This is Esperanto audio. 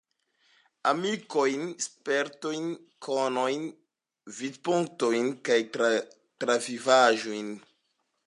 Amikojn, spertojn, konojn, vidpunktojn kaj travivaĵojn.